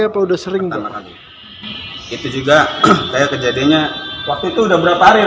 atau udah sering itu juga saya kejadiannya waktu itu udah berapa hari